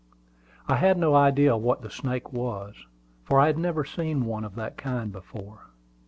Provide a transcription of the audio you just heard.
I had no idea what the snake was, for I had never seen one of that kind before.